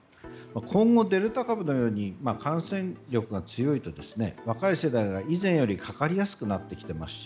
今後、デルタ株のように感染力が強いと若い世代は以前よりもかかりやすくなってきていますし